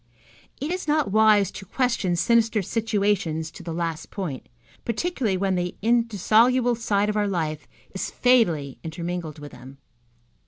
It is not wise to question sinister situations to the last point, particularly when the indissoluble side of our life is fatally intermingled with them.